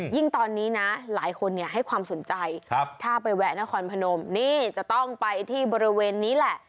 ยิ่งตอนนี้นะหลายคนให้ความสนใจถ้าไปแวะนครพนมนี่จะต้องไปที่บริเวณนี้แหละ